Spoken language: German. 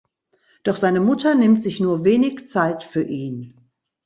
Doch seine Mutter nimmt sich nur wenig Zeit für ihn.